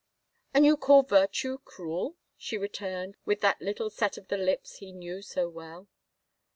" An you call virtue cruel !" she returned, with that little set of the lips he knew so well.